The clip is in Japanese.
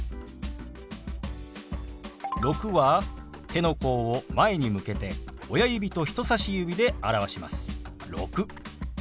「６」は手の甲を前に向けて親指と人さし指で表します。